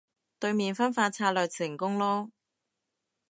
對面分化策略成功囉